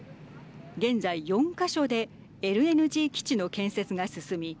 現在４か所でＬＮＧ基地の建設が進み